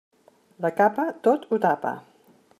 La capa tot ho tapa.